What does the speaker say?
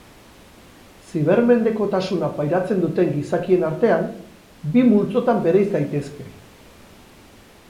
Zibermendekotasuna pairatzen duten gizakien artean, bi multzotan bereiz daitezke.